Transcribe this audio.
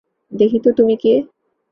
দেখি তো তুমি কে।